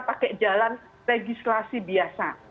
pakai jalan legislasi biasa